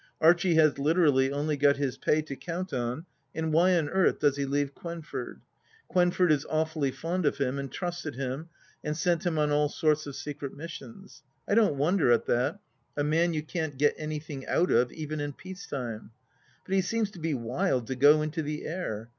Archie has literally only got his pay to count on, and why on earth does he leave Quenford ? Quenford is awfully fond of him, and trusted him, and sent him on all sorts of secret missions. I don't wonder at that : a man you can't get anything out of, even in peace time ! But he seems to be wild to go into the air.